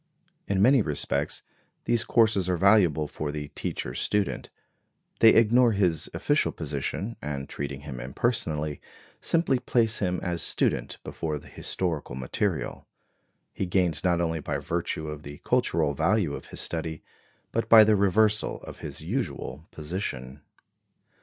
In many respects these courses are valuable for the teacher student; they ignore his official position, and treating him impersonally, simply place him as student before the historical material. He gains not only by virtue of the cultural value of his study, but by the reversal of his usual position.